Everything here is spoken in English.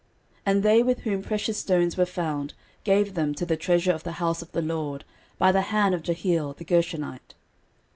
13:029:008 And they with whom precious stones were found gave them to the treasure of the house of the LORD, by the hand of Jehiel the Gershonite.